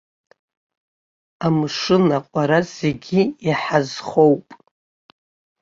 Амшын аҟәара зегьы иҳазхоуп.